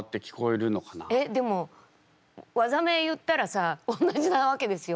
えっでも技名言ったらさ同じなわけですよ。